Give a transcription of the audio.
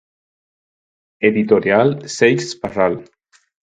Editorial Seix Barral.